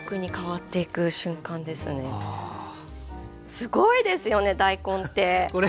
すごいですよね大根って。